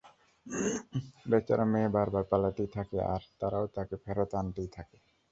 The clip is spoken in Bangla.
বেচারা মেয়ে বারবার পালাতেই থাকে, আর তারাও তাকে ফেরত আনতেই থাকে।